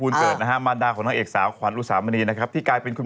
ชอบชอบช่วงใส่ใคร